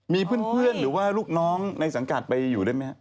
มีเพื่อนหรือว่าลูกน้องในสังกัดไปอยู่ด้วยไหมครับ